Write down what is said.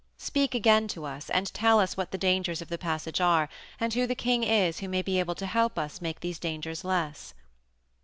Speak again to us, and tell us what the dangers of the passage are, and who the king is who may be able to help us to make these dangers less."